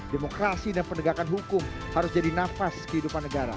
demokrasi dan penegakan hukum harus jadi nafas kehidupan negara